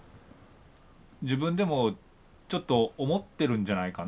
自分でもちょっと思ってるんじゃないかな？